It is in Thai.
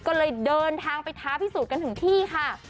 ก็เลยเดินทางไปท้าพิสูจน์กันถึงที่ค่ะ